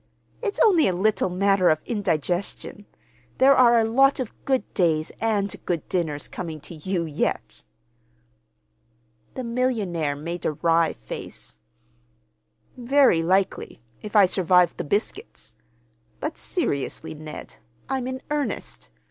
It's only a little matter of indigestion. There are a lot of good days and good dinners coming to you, yet." The millionaire made a wry face. "Very likely—if I survive the biscuits. But, seriously, Ned, I'm in earnest.